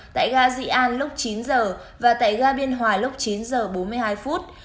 tại gà dị an lúc chín giờ và tại gà biên hòa lúc chín giờ bốn mươi hai phút